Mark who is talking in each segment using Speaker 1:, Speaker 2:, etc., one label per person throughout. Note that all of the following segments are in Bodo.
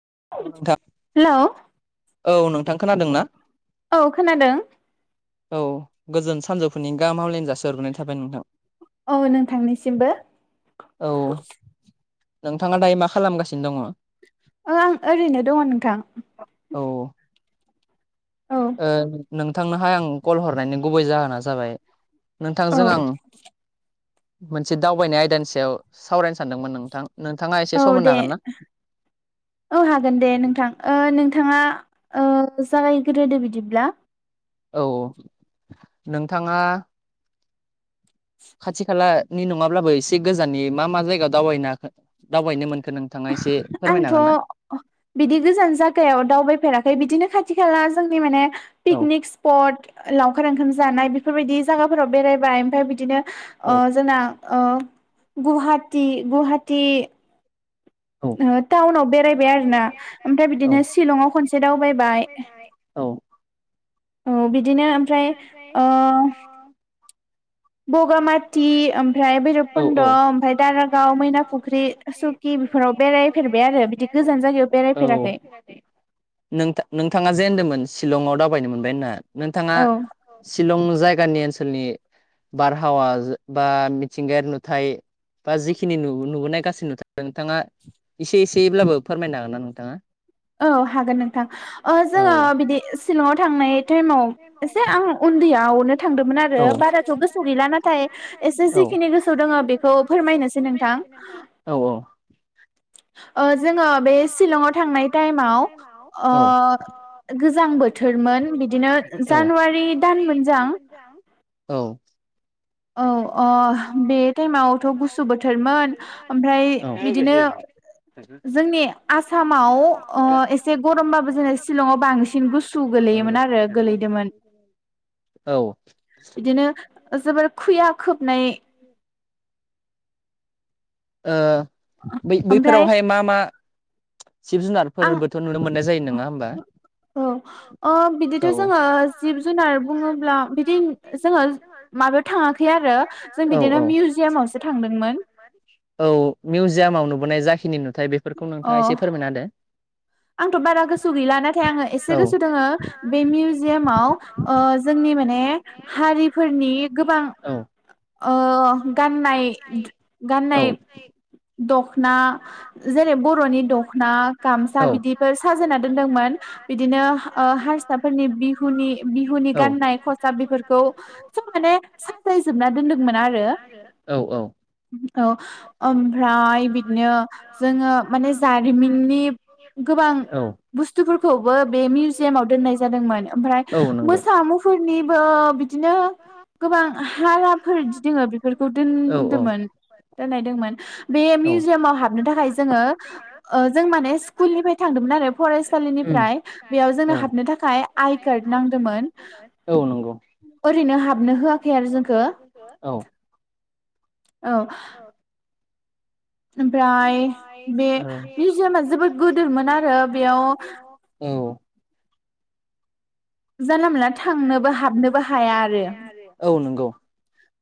Speaker 1: हेल'
Speaker 2: औ नोंथां खोनादों ना
Speaker 1: औ खोनादों
Speaker 2: औ गोजोन सानजौफुनि गाहाम हामलायनाय जासिहरग्रोनाय थाबाय नोंथां
Speaker 1: औ नोंथांनिसिमबो।
Speaker 2: नोंथाङा दायो मा खालामगासिनो दङ?
Speaker 1: ओ आं ओरैनो दङ नोंथां।
Speaker 2: औ ओ नोंथांनोहाय आं कल हरनायनि गुबै जाहोना जाबाय नोंथांजों आं मोनसे दावबायनाय आयदानि सायाव सावरायनो सानदोंमोन नोंथां। थांङा एसे सम होनो हागोन ना
Speaker 1: औ हागोन दे नोंथां ओ नोंथाङा ओ जागायग्रोदो बिदिब्ला
Speaker 2: औ नोंथाङा खाथि खालानि नङाब्लाबो एसे गोजाननि मा मा जायगायाव दावनो हाखो दावबायनो मोनखो नोंथाङा?
Speaker 1: आंथ' बिदि गोजान जागायाव दावबायफेराखै बिदिनो खा थि खाला जोंनि माने पिकनिक स्पट लावखार ओंखाम जानाय बे फोरबायदि जागाफोराव बेरायबाय ओमफ्राय बिदिनो ओ जोंना ओ गुवाहाटि गुवाहाटि टाउनाव बेरायबाय आरोना ओमफ्राय बिदिनो शिलंआव खनसे दावबायबाय
Speaker 2: औ
Speaker 1: औ बिदिनो ओमफ्राय ओ बगामाथि ओमफ्राय बैरबकुन्द ओमफ्राय दारागाव मैना फुख्रि सु खि बेफोराव
Speaker 2: औ नोंथाङा जे होनदोंमोन शिलंआव दावबायनो मोनबाय होनना नोंथाङा शिलं जायगानि ओनसोलनि बारहावा बा मिथिंगायरि नुथाय बा जिखिनि नुबोनाय गासै नुथ नोंथाङा एसे एसेब्लाबो फोरमायनो हागोन ना नोंथाङा?
Speaker 1: औ हागोन नोंथां ओ जोङो बिदि शलंआव थांनाय टाइमाव एसे आं उन्दैयावनो थांदोंमोन आरो बाराथ गोसोआव गैला नाथाय एसे जिखिनि गोसोआव दङ बेखौ
Speaker 2: फोरायनोसै नोंथां औ औ
Speaker 1: ओ जोङो बे शिलंआव थांनाय टाइमाव ओ गोजां बोथोरमोन बिदिनो जानुवारि दानमोनदां
Speaker 2: औ
Speaker 1: औ ओ बे टाइमावथ' गुसु बोथोरमोन ओमफ्राय बिदिनो जोंनि आसामाव ओ एसे गरमबाबो जोंनि शिलंआव बांसिन गुसु सु गोलैयोमोन आरो गोलैदोंमोन बिदिनो जोबोर खुया खोबनाय
Speaker 2: ओ बै बैफोरावहाय मा मा जिब जुनारफोरबोथ' नुनो मोननाय जायो नङा होमबा?
Speaker 1: औ अ बिदिथ' जोङो जिब जुनार बुङोब्ला बिदि जोङो
Speaker 2: माबायाव थाङाखै आरो औ औ मिउजियामावसो थांगदोंमोन औ मिउजियामाव नुबोनाय जाखिनि नुथाय बेफोरखौ नोंथाङा एसे फोरमायना होदो
Speaker 1: आंथ' बारा गोसोआव गैला नाथाय आङो एसे गोसोआव दोंङो बे मिउजियामाव ओ जे जोंनि माने हारिफोरनि गोबां ओ गाननाय गान नाय दखना जेरै बर'नि दखना गामस सा बिदिफोर साजायना दोनदोंमोन बिदिनो ओ हारसाफोरनि बिहुनि बिहुनि गान नाय खसाब बेफोरखौ सब माने साजायजोबना दोनदोंमोन आरो
Speaker 2: रो औ
Speaker 1: औ ओमफ्राय फ्राय बिदिनो जोङो माने जारिमिननि गोबां बुस्थुफोरखौबो बे मिउजियामाव दोननाय जादोंमोन ओमफ्राय मोसा मुफुरनिबो बिदिनो गोबां हाराफोरदि दोंङो बेफोरखौ दोनदोंमोन दोननायदोंमोन बे बे मिउजियामाव हाबनो थाखाय जोङो ओ जों माने स्कुलनिफ्राय थांदोंमोन आरो फरायसालिनिफ्राय बेयाव जोंनो हाबनो थाखाय आइ कार्ड नांदोंमोन
Speaker 2: औ नंगौ ओरैनो हाबनो‌ होयाखै आरो जोंखौ औ
Speaker 1: औ
Speaker 2: ओमफ्राय ओ बे मिउजियाम जोबोद गोदोरमोन आरो बेयाव औ
Speaker 1: जानला मोनला थांनोबो हाबनोबो हाया आरो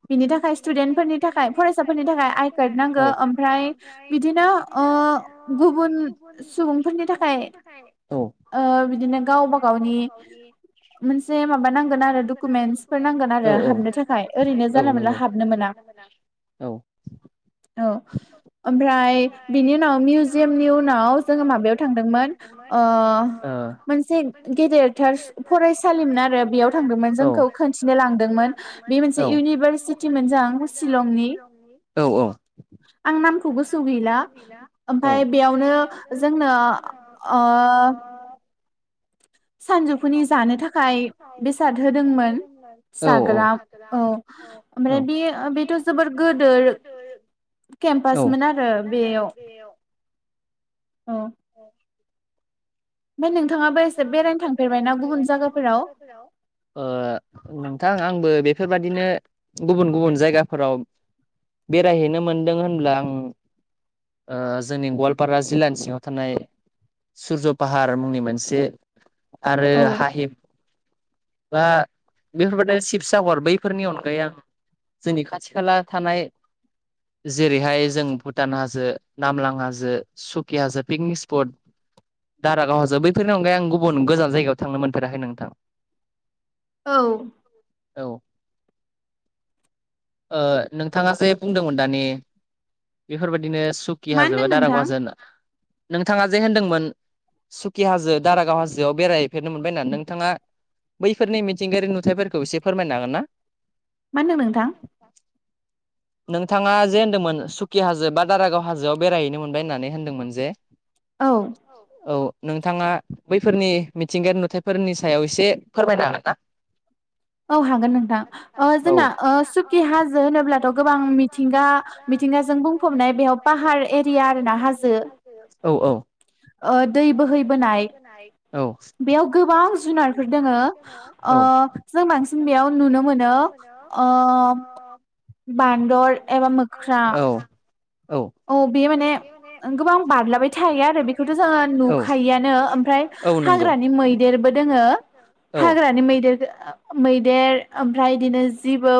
Speaker 1: बिनि थाखाय स्टुदेन्टफोरनि थाखाय फरायसाफोरनि थाखाय आइकार्ड नांगौ ओमफ्राय बिदिनो
Speaker 2: बिदिनो ओ गुबुन सुबुंफोरनि थाखाय औ
Speaker 1: ओ बिदिनो गावबा गावनि मोनसे से माबा नांगोन आरो डकुमेन्टसफोर नांगोन आरो हाबनो थाखाय ओरैनो जानला मोनला हाबनो मोना औ ओमफ्राय बिनि उनाव मिउजियामनि उनाव जोङो माबायाव थांदोंमोन ओ मोनसे गेदेरथार फरायसा सालिमोन आरो बेयाव थांदोंमोन जोंखौ खोनथिनो लांदोंमोन बे मोनस मोनसे इउनिभारसिटि मोनजां सिलंनि आं नामखौ गोसोआव गैला ओमफाय बेयावनो जोंनो ओ आ [inaudible] सानजौफुनि जानो थाखाय
Speaker 2: जानो थाखाय बेसाद होदोंमोन औ औ [unintelligible] ओ बेथ' जो भोदोर [inaudible]
Speaker 1: केमपासमोन आरो बेयाव [inaudible] औ
Speaker 2: नोंथाङाबो एसे बेरायनो थांफेरबायनो थांफेरबायना गुबुन जायगाफोराव ओ नोंथां आंबो बेफोरबायदिनो गुबुन गुबुन जायगाफोराव बेरायहैनो मोनदों होनब्ला आं ओ जोंनि गवालपारा जिल्लानि सिङाव थानाय सुरज फाहा हार मुंनि मोनसे आरो हाहिब बा बेफोरबादि शिब सागर बैफोरनि अनगायै आं जोंनि खाथि खाला थानाय जेरैहाय जों भुटान हाजो नामलां हाजो सुकि हाजो पिकनिक स्पट दारागावाजो बैफोरनि अनगायै आं गुबुन गोजान जायगायाव थांनो मोनफेराखै नोंथां
Speaker 1: औ
Speaker 2: औ ओ नोंथाङा जे बुंदोंमोन दानि बेफोरबायदिनो सुखि हाजो बे दारागावआव जानो नोंथाङा जे होनदोंमोन सुकि हाजो दारागाव हाजोआव बेरायफेरनो मोनबायनानै नोंथाङा बैफोरनि मिथिंगायारि नुथायाइफोरखौ एसे फोरमायनो हागोन ना?
Speaker 1: मा होनदों नोंथां
Speaker 2: नोंथाङा जे होन्दोंमोन सुकि हाजो बा दारागाव हाजोआव बेरायहैनो मोनबाय होननानै होन्दोंमोन जे औ औ नोंथाङा बैफोरनि मिथिंगायारि नुथायफोरनि सायाव एसे फोरमायनो हागोन ना
Speaker 1: औ हागोन नोंथां ओ जोंना ओ सुकि हाजो होनोब्ला गोबां मिथिंगा मिथिंगाजों बुंफबनाय बेयाव पाहार एरिया आरो ना हाजो।
Speaker 2: औ
Speaker 1: ओ दै बोहैबोनाय। बेयाव गोबां जुनारफोर दोङो ओ ओ जों बांसिन बेयाव नुनो मोनो [inaudible] अ बान्दर एबा मोख्रा [inaudible] औ बे माने ओ गोबां बारलाबाय थायो आरो बेखौथ' जोङो नुखायोआनो ओमफ्राय हाग्रानि मैदेरबो दोङो। हाग्रानि मैदेरबो ओ मैदेर ओमफ्राय इदिनो जिबौ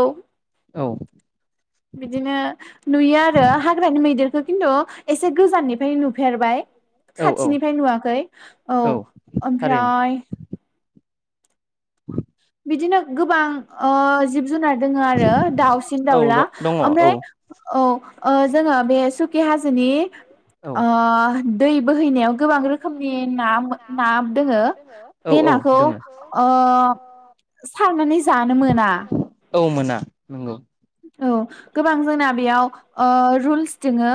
Speaker 2: औ
Speaker 1: बिदिनो नुयो आरो हाग्रानि मैदेरखो खिन्थु एसे गोजाननि फाय नुफेरबाय खाथिनिफ्राय नुवाखै औ। ओमफ्राय
Speaker 2: [inaudible]
Speaker 1: बिदिनो गोबां ओ जिब जुनार दोङो आरो दाउसिन दाउला ओमफ्राय औ अ जोङो बे सुकि हाजो हाजोनि ओ दै बोहैनायाव गोबां रोखोमनि ना मो- ना दोङो बे नाखौ ओ सारनानै जानो मोना।
Speaker 2: औ मोना नंगौ।
Speaker 1: औ गोबां जोंना बेयाव ओ रुल्स दोङो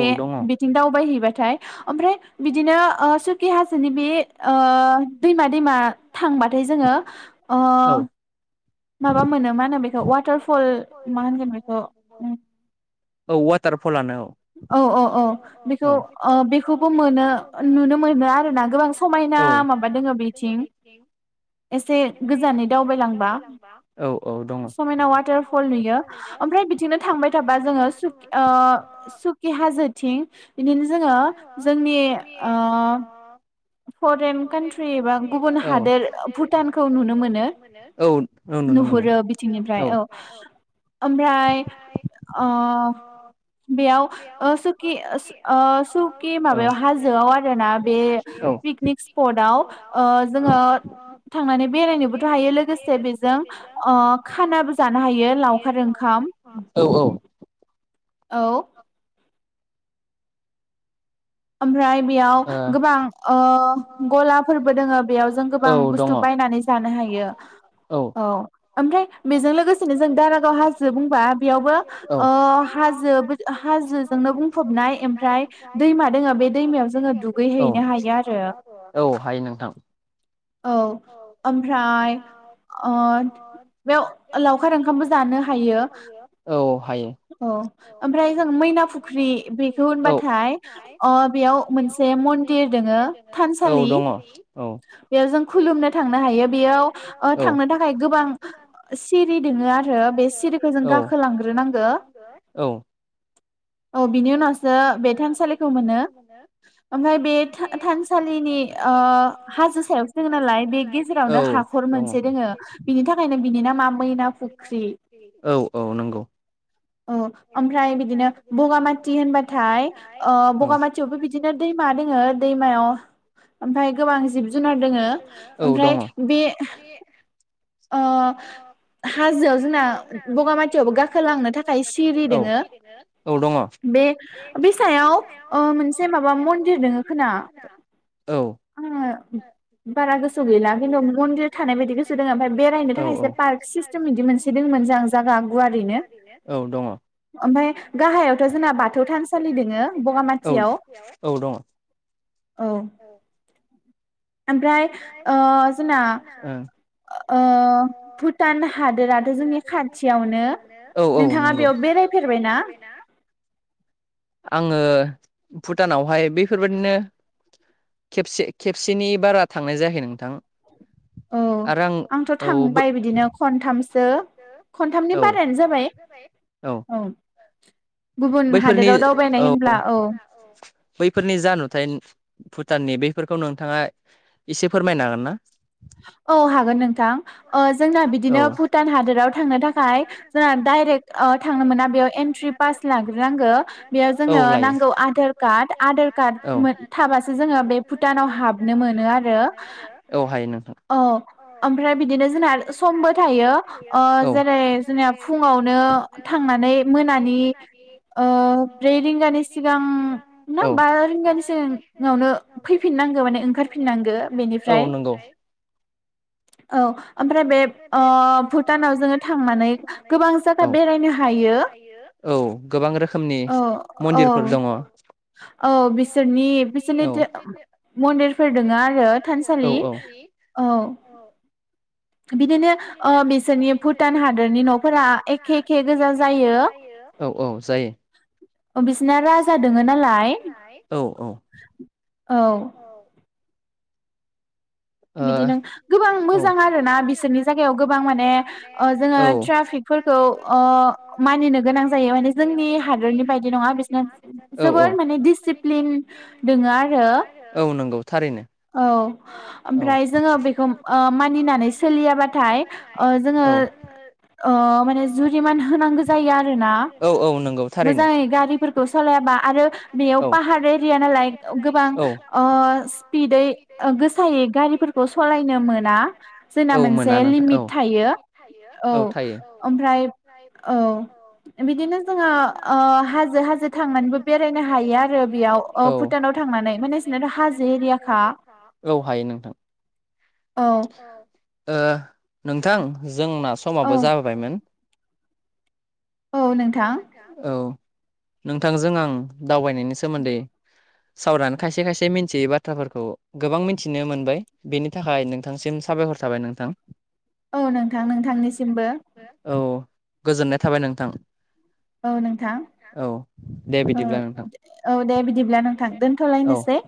Speaker 1: बे बिथिं दावबायहैबाथाय ओमफ्राय बिदिनो ओ सुखि हाजो जोनि बे ओ दैमा दैमा थांबाथाय जोङो ओ माबा मोनो मा होनो बेखौ वाटारफल मा होनगोन बेखौ
Speaker 2: औ वाटारफलानो औ
Speaker 1: औ औ औ बेखौ ओ बेखौबो मोनो नुनो मोनो आरो
Speaker 2: [inaudible] औ [inaudible]
Speaker 1: एसे गोजानै दावबायलांबा। [inaudible] समायना वाटारफल नुयो ओमफ्राय बिथिंनो थांबाय थाबा जोङो सुकि ओ सुकि हा हाजोथिं बिदिनो जोङो जोंनि ओ फरेन कान्ट्रि एबा गुबुन हादोर भुटानखौ नुनो मोनो। नुहरो बिथिंनिफ्राय औ। ओमफ्राय
Speaker 2: अ
Speaker 1: बेयाव ओ सुकि ओ सुकि माबायाव हाजोआव आरो ना बे पिकनिक स्पटव ओ जोङो थांनानै बेरायनोबोथ' हायो लोगोसे बेजों ओ खानाबो जानो हायो लावखार ओंखाम
Speaker 2: औ औ
Speaker 1: औ ओमफ्राय बेयाव गोबां ओ गलाफोरबो दोङो बेयाव जों गोबां बुस्थु बायनानै जानो हा यो। औ ओमफ्राय बेजों लोगोसेनो जों दारागाव हाजो बुंबा बेयावबो ओ हाजो [unintelligible] जोजोंनो बुंफबनाय ओमफ्राय दैमा बे दैमायाव जोङो दुगै हैैनो हायो आरो। औ, ओमफ्राय, अ [inaudible] लावखार ओंखामबो जानो हायो। औ ओमफ्राय जों मैना फुख्रि बेखौ होनबाथाय अ बेयाव मोनसे मन्दिर दोङो थानसालि। बेयाव जों खुलुमनो थांनो हायो बेयाव ओ थांनो थाखाय गोबां सिरि दोङो आरो बे सिरिखौ जों गाखोलांग्रोनांगो। औ बिनि उनावसो बे थानसालि
Speaker 2: थानसालखौ मोनो
Speaker 1: ओमफफ्राय बे थानसालिनि हाजो सायाव सोङ नालाय बे गेजेरावनो हाखौर मोनसे दोङ बिनि थाखायनो बिनि
Speaker 2: औ औ नंगौ
Speaker 1: औ ओमफ्राय बिदिनो बगामाथि होनबाथाय बगामाथियावबो बिदिनो दैमा दोङो दैमायाव ओमफ्राय गोबां जिब जुनार दङो ओमफ्राय बे द हाजोआव जोंना बगामाथियावबो गाखोलांनो थाखाय सिरि दोङो बे बे
Speaker 2: बिसायाव मोनसे माबा मन्दिर द खोना
Speaker 1: बारा गोसो गैला खिन्थु मन्दिर थानाय बायदि गोसो दङ ओमफ्राय बेरायनो
Speaker 2: औ औ् [inaudible] औ दङ
Speaker 1: ओमफफ्राय गाहायावथ' जोंना बाथौ थानसालि द बगामाथियाव औ ओमफ्राय जोंना ओ भुटान हादोराथ' जोंनि खाथियावनो नोंथाङा बेयाव बेराय
Speaker 2: बेरायफेरबायना आङो भुटानावहाय बेैफोरबायाददिनो खेबसे खेबसेनि बारा थांनाय जायाखै नोंथां
Speaker 1: औ आंथ' थांबाय बिदिनो खनथाम जो खनथामनि बारायानो जाबाय औ
Speaker 2: बैफोरनि औ बैफोरनि जा नुथाय भुटाननि बेफोरखौ नोंथाङा एसे फोरमायनो हागोन ना
Speaker 1: औ हागोन नोंथां जोंना बिदिनो भुटान हादोराव थांनो थाखाय जोंना दडाइरेक्ट थांनो मोना बेयाव एनट्रि पास। लाग्रोनांगो बेयाव जोंनो नांगौ आधार कार्ड बे आधार कार्ड थाब्लासो जो भुटानाव हाबनो मोनो आरो। औ ओमफ्राय बिदिनो जोंना समबो थायो जेरै जोंना फुङाव। नो थांनानै मोनानि ब्रै रिंगानि सिगां ना बा रिंगानि सिगाङावनो फैफि फिननांगौ माने ओंखारफिननांगो बेनिफ्राय
Speaker 2: [inaudible] औ। औ गोबां रोखोमनि मन्दिरफोर दङ।
Speaker 1: औ बिसोरनि बिसोरनि मन्दिरफोर दोङ आरो थानसालि औ। बिदिनो बिसोरनि भुटान हादरनि न'फोरा एखे एखे गोजा जायो।
Speaker 2: औ जायो। अ बिसिना राजा दङ नालाय। औ औ औ।
Speaker 1: बिदिनो गोबां मोजां आरो ना बिसोरनि जायगायाव गोबां माने जोङो ट्राफ्रि कफोरखौ मानिनो गोनां जायो माने जोंनि हादरनि बायदि नङा बिसोरनिया [unintelligible] माने दिसिप्लिन दङ आरो औ ओमफ्राय जोङो बेखौ मानिनानै सोलियाबाथाय जोङो। माने जुरिमान होनांगौ जायो आरोना मोजाङै गारिफोरखौ सालायाबा। आरो बेयाव पाहार एरिया नालाय गोबां स्पिदै गोसायै। गारिफोरखौ सलायनो मोना जोंना मोनसे लिमिट थायो। औ ओमफ्राय औ। बिदिनो जोङो हाजो हाजो थांनानैबो बेरायनो हायो आरो बेयाव भुटानाव थांनानै माने बिसानाथ' हाजो एरियाखा।
Speaker 2: नोंथां। जोंना समाबो जाबोबायमोन औ नोंथांजों आं दावबायनायनि सोमोन्दै सावरायना खायसे खायसे मिन्थियै बाथ्राफोरखौ गोबां मिथिनो मोनबाय बेनि थाखाय नोंथांसिम साबायखर थाबाय नोंथां। औ गोजोननाय थाबाय नोंथां।
Speaker 1: औ नोंथां औ औ दे बिदिब्ला नोंथां दोनथ'लायनो सै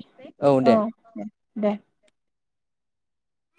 Speaker 1: औ दे।